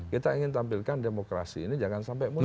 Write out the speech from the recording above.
kita ingin tampilkan demokrasi ini jangan sampai muncul